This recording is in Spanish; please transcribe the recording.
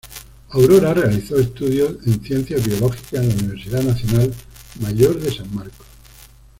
Aurora realizó estudios en Ciencias Biológicas en la Universidad Nacional Mayor de San Marcos.